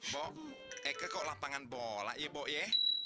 bo eike kok lapangan bola ya bo ya